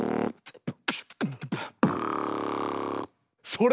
それ！